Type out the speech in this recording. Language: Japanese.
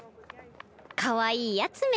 かわいいやつめ。